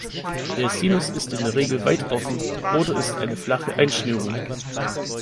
Der Sinus ist in der Regel weit offen oder ist eine flache Einschnürung.